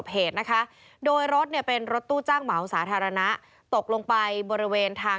หลายคนเดินทางกลับวันนี้